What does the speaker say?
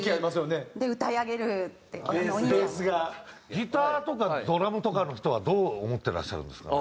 ギターとかドラムとかの人はどう思ってらっしゃるんですか？